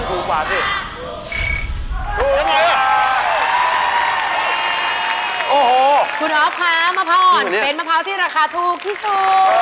โอ้โหคุณอ๊อฟค่ะมะพรเป็นมะพร้าวที่ราคาถูกที่สุด